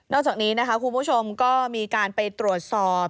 นอกจากนี้คุณผู้ชมก็มีการไปตรวจสอบ